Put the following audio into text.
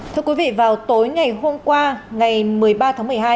thưa quý vị vào tối ngày hôm qua ngày một mươi ba tháng một mươi hai